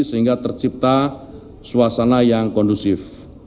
sehingga tercipta suasana yang kondusif